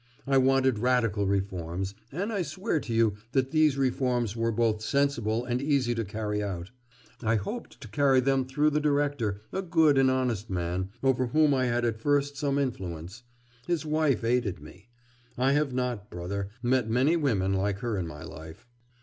I wanted radical reforms, and I swear to you that these reforms were both sensible and easy to carry out. I hoped to carry them through the director, a good and honest man, over whom I had at first some influence. His wife aided me. I have not, brother, met many women like her in my life.